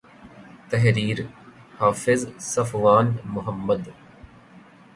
تحریر :حافظ صفوان محمد